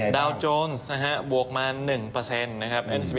ดาวน์โจมส์บวกมา๑นะครับ